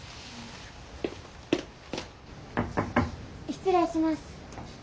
・失礼します。